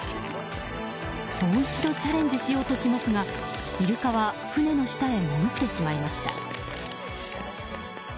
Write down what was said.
もう一度チャレンジしようとしますがイルカは船の下へもぐってしまいました。